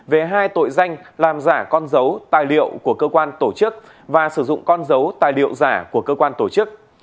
về hai tội danh làm giả con dấu tài liệu của cơ quan tổ chức và sử dụng con dấu tài liệu giả của cơ quan tổ chức